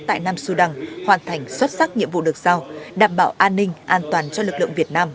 tại nam sudan hoàn thành xuất sắc nhiệm vụ được giao đảm bảo an ninh an toàn cho lực lượng việt nam